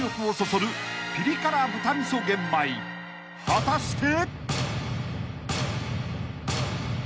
［果たして］